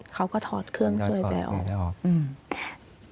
เขาก็ถอดเครื่องสวยใจออก